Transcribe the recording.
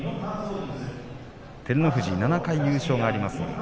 照ノ富士が７回、優勝があります。